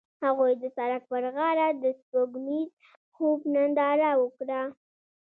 هغوی د سړک پر غاړه د سپوږمیز خوب ننداره وکړه.